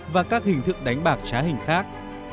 hoặc hình thức đánh bạc trái hình khác